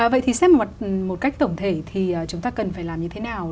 vậy thì xét một cách tổng thể thì chúng ta cần phải làm như thế nào